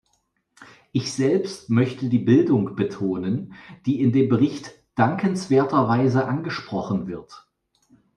Ich selbst möchte die Bildung betonen, die in dem Bericht dankenswerterweise angesprochen wird.